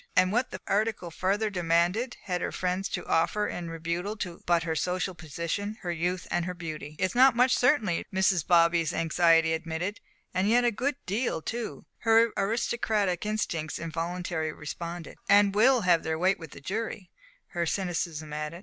And what, the article further demanded, had her friends to offer in rebuttal but her social position, her youth and her beauty? "It's not much, certainly," Mrs. Bobby's anxiety admitted. "And yet a good deal, too," her aristocratic instincts involuntarily responded; "and will have their weight with the jury," her cynicism added.